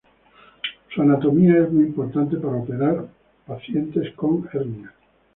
Su anatomía es muy importante para operar pacientes con hernias.